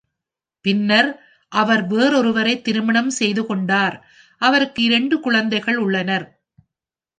பின்னர் அவர் வேறொருவரை திருமணம் செய்து கொண்டார், அவருக்கு இரண்டு குழந்தைகள் உள்ளனர்.